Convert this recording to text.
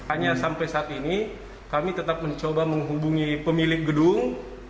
hanya sampai saat ini kami tetap mencoba menghubungi pemilik gedung